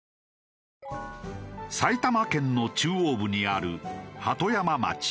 埼玉県の中央部にある鳩山町。